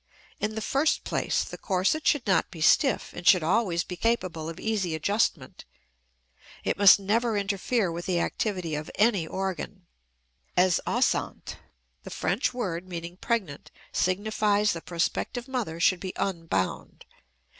In the first place the corset should not be stiff and should always be capable of easy adjustment; it must never interfere with the activity of any organ. As enceinte, the French word meaning pregnant, signifies, the prospective mother should be unbound.